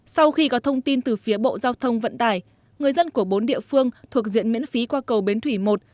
sau khi có thông tin từ phía bộ giao thông vận tải người dân của bốn địa phương thuộc diện miễn phí qua cầu bến thủy một